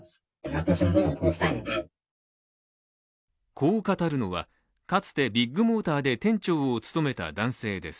こう語るのは、かつてビッグモーターで店長を務めた男性です。